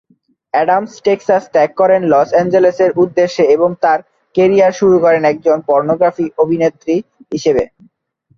Adams Texas ত্যাগ করেন Los Angeles এর উদ্দেশ্যে, এবং তাঁর ক্যারিয়ার শুরু করেন একজন পর্নোগ্রাফি অভিনেত্রী হিসেবে।